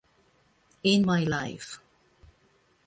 In My Life